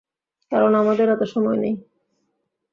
কারণ আমাদের এতো সময় নেই।